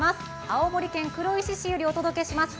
青森県黒石市よりお届けします。